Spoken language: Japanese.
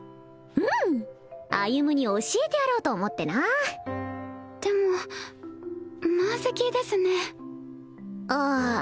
うん歩に教えてやろうと思ってなでも満席ですねあー